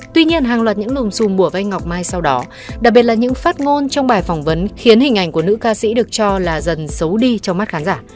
tuy nhiên hàng loạt những lùm xùm bùa vây ngọc mai sau đó đặc biệt là những phát ngôn trong bài phỏng vấn khiến hình ảnh của nữ ca sĩ được cho là dần xấu đi trong mắt khán giả